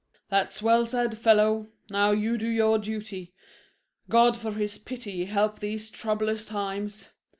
] SHERIFF. That's well said, fellow; now you do your duty. God for his pity help these troublous times!